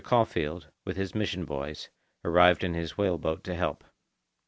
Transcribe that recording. Caulfeild, with his mission boys, arrived in his whale boat to help.